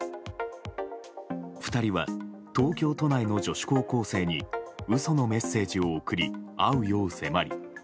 ２人は東京都内の女子高校生に嘘のメッセージを送り会うよう迫り